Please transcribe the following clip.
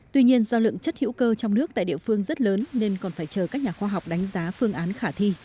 tuy nhiên do lượng chất hữu cơ trong nước tại địa phương rất lớn nên còn phải chờ các nhà khoa học đánh giá phương án khả thi